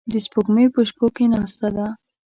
د سپوږمۍ په شپو کې ناسته ده